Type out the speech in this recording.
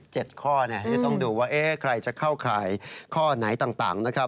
ข้อที่จะต้องดูว่าใครจะเข้าข่ายข้อไหนต่างนะครับ